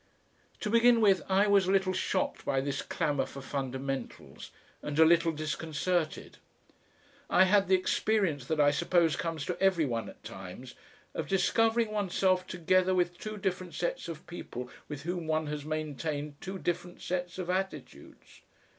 To begin with, I was a little shocked by this clamour for fundamentals and a little disconcerted. I had the experience that I suppose comes to every one at times of discovering oneself together with two different sets of people with whom one has maintained two different sets of attitudes.